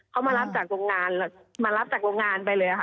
เขามารับจากโรงงานมารับจากโรงงานไปเลยค่ะ